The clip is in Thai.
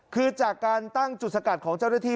คือจากการตั้งจุดสกัดของเจ้าหน้าที่